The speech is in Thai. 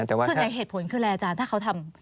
แต่ว่าส่วนใหญ่เหตุผลคืออะไรอาจารย์ถ้าเขาทำ